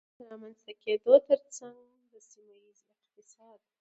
د رامنځته کېدو ترڅنګ د سيمهييز اقتصاد